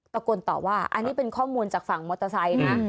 ตะโกนตอบว่าอันนี้เป็นข้อมูลจากฝั่งมอเตอร์ไซค์นะ